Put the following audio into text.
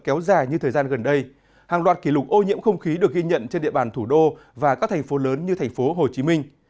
kéo dài như thời gian gần đây hàng loạt kỷ lục ô nhiễm không khí được ghi nhận trên địa bàn thủ đô và các thành phố lớn như thành phố hồ chí minh